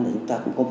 chúng ta cũng có